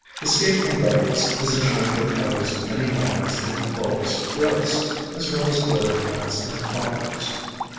"Escaped from gardens" is a term that covers many vines and bulbous growths, as well as border plants and pot herbs.